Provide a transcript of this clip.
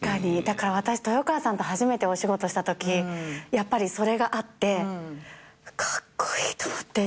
だから私豊川さんと初めてお仕事したときやっぱりそれがあってカッコイイ！と思って。